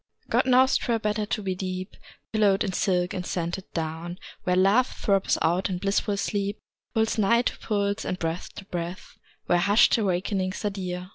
God knows 'twere better to be deep Pillowed in silk and scented down, Where Love throbs out in blissful sleep, Pulse nigh to pulse, and breath to breath, Where hushed awakenings are dear